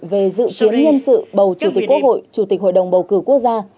về dự kiến nhân sự bầu chủ tịch quốc hội chủ tịch hội đồng bầu cử quốc gia